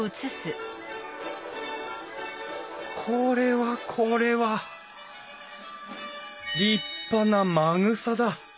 これはこれは立派なまぐさだ。